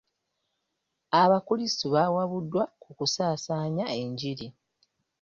Abakrisito bawabuddwa ku kusaasaanya enjiri.